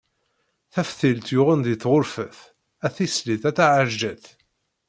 Taftilt yuɣen di tɣurfet, a tislit a taɛelǧet.